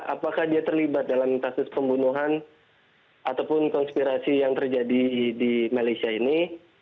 apakah dia terlibat dalam kasus pembunuhan ataupun konspirasi yang terjadi di malaysia ini